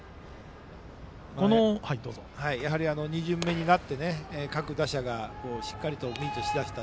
やはり２巡目になって各打者がしっかりとミートし出した。